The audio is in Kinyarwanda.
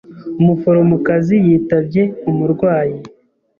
Umuforomokazi yitabye umurwayi.